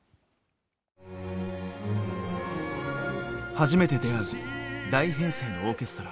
初めて出会う大編成のオーケストラ。